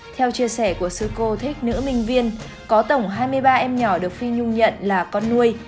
theo chia sẻ của sư cô thích nữ minh viên có tổng hai mươi ba em nhỏ được phi nhung nhận là con nuôi